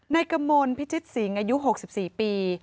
ในกระมวลพิจิตสิงหายุ๖๔ปี